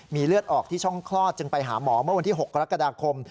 มีเลือดออกที่ช่องคลอดจึงไปหาหมอเมื่อวันที่๖กรกฎาคม